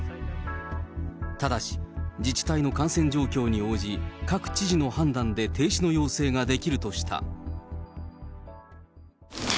ただし、自治体の感染状況に応じ、各知事の判断で停止の要請ができるとした。